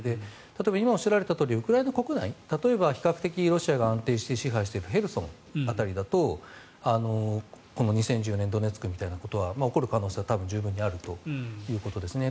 例えば、今おっしゃられたとおりウクライナ国内例えば比較的ロシアが安定して支配しているヘルソン辺りだとこの２０１４年のドネツクみたいなことが起こる可能性は十分ありますね。